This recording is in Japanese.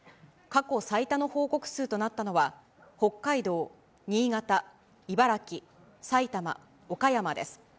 過去最多の報告数となったのは、北海道、新潟、茨城、埼玉、岡山です。